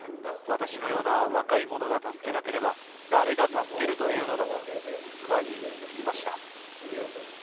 私のような若い者が助けなければ、誰が助けるというのだと妻に言いました。